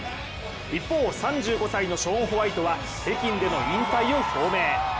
一方、３５歳のショーン・ホワイトは、北京での引退を表明。